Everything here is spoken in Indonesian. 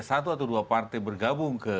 satu atau dua partai bergabung ke